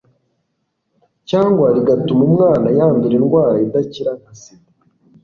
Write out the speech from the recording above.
cyangwa rigatuma umwana yandura indwara idakira nka sida